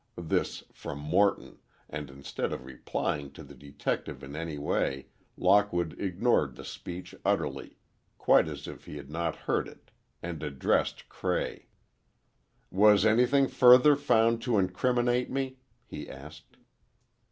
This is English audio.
This from Morton, and instead of replying to the detective in any way, Lockwood ignored the speech utterly, quite as if he had not heard it, and addressed Cray. "Was anything further found to incriminate me?" he asked.